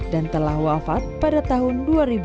dan telah wafat pada tahun dua ribu enam belas